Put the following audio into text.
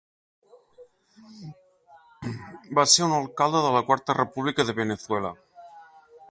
Va ser un alcalde de la quarta república de Veneçuela.